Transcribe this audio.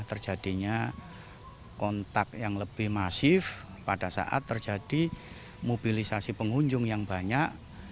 terjadinya kontak yang lebih masif pada saat terjadi mobilisasi pengunjung yang banyak